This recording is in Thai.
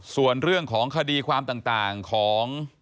ส่วนเรื่องของคดีความต่างของ